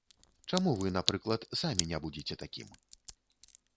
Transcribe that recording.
Чаму вы, напрыклад, самі не будзеце такім?